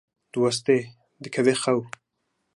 diweste dikeve xew.